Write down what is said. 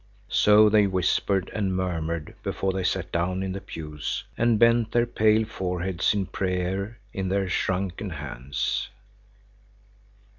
So they whispered and murmured before they sat down in the pews and bent their pale foreheads in prayer in their shrunken hands.